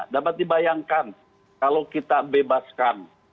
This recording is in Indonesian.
dapat dibayangkan kalau kita bebaskan